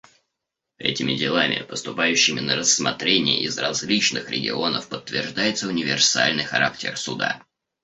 Этими делами, поступающими на рассмотрение из различных регионов, подтверждается универсальный характер Суда.